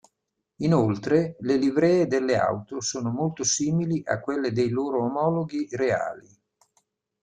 Inoltre, le livree delle auto sono molto simili a quelle dei loro omologhi reali.